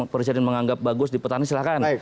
presiden menganggap bagus di petani silahkan